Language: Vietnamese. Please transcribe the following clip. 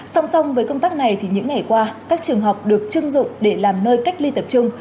song song với công tác này thì những ngày qua các trường học được chưng dụng để làm nơi cách ly tập trung